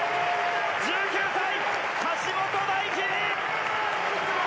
１９歳、橋本大輝！